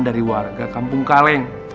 dari warga kampung kaleng